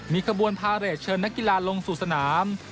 มีขบวนพาเรทเชิญนักกีฬาลงสู่สนาม